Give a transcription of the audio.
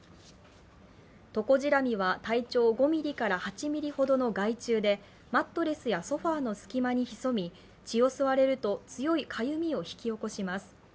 トコジラミは体長５ｍｍから８ｍｍほどの害虫でマットレスやソファーの隙間に潜み血を吸われると強いかゆみを引き起こします。